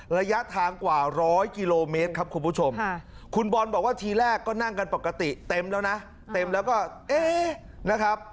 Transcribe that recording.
ระยะทางกว่าร้อยกิโลเมตรครับคุณผู้ชมคุณบอลบอกว่าทีแรกก็นั่งกันปกติเต็มแล้วนะเต็มแล้วก็เอ๊ะนะครับ